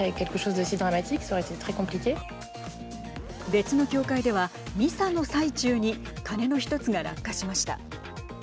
別の教会ではミサの最中に鐘の１つが落下しました。